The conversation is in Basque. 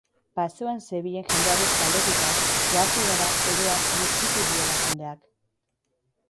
Paseoan zebilen jendeari galdetuta, ohartu gara orohar gustuku duela jendeak.